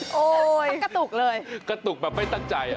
ถ้ากะตุกเลยกะตุกแบบไม่ตั้งใจ